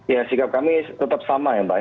ya sikap kami tetap sama mbak